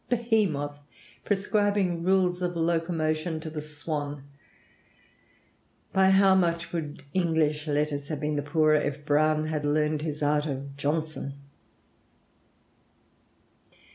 Behemoth prescribing rules of locomotion to the swan! By how much would English letters have been the poorer if Browne had learned his art of Johnson!